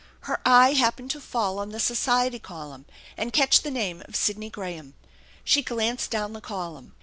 Her eye happened to fall on the society column and catch the name of Sidney Graham. She glanced down the column.